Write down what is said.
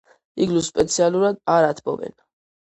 იგლუს სპეციალურად არ ათბობენ.